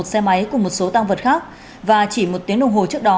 một xe máy cùng một số tăng vật khác và chỉ một tiếng đồng hồ trước đó